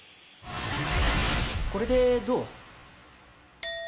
これでどう？